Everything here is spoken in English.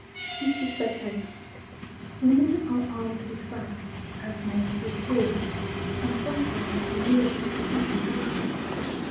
Mr. Spectator: Women are armed with Fans as Men with Swords, and sometimes do more Execution with them.